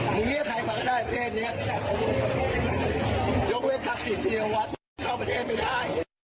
มึงเรียกใครมาก็ได้ประเทศเนี้ยยกเวททักศิษย์เนี้ยวะเข้าประเทศไม่ได้